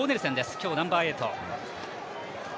今日、ナンバーエイト。